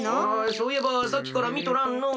そういえばさっきからみとらんのう。